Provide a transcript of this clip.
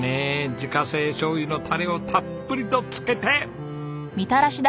自家製しょうゆのタレをたっぷりとつけて。